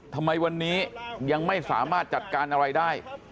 ทำไมวันนี้ยังไม่สามารถจัดการอะไรได้